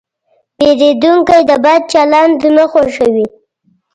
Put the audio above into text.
پیرودونکی د بد چلند نه خوښوي.